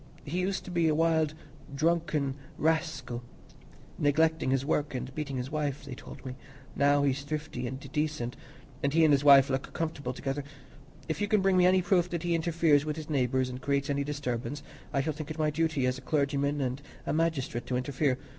He used to be a wild drunken rascal, neglecting his work and beating his wife, they told me; now he's thrifty and decent, and he and his wife look comfortable together. If you can bring me any proof that he interferes with his neighbours and creates any disturbance, I shall think it my duty as a clergyman and a magistrate to interfere.